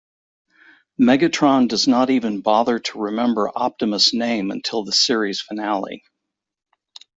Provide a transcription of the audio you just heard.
Megatron does not even bother to remember Optimus' name until the series finale.